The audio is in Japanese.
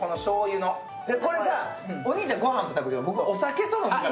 これさ、お兄ちゃんはご飯と食べるけど、僕はお酒で食べたい。